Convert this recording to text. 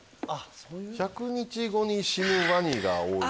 「１００日後に死ぬワニ」が多い。